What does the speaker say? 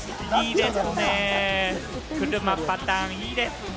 車パターン、いいですね。